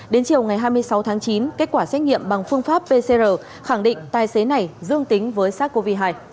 đến chiều ngày hai mươi sáu tháng chín kết quả xét nghiệm bằng phương pháp pcr khẳng định tài xế này dương tính với sars cov hai